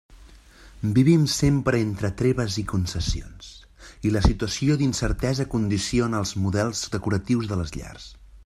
Vivim sempre entre treves i concessions, i la situació d'incertesa condiciona els models decoratius de les llars.